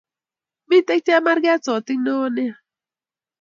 Miten chemarket sotik ne won nea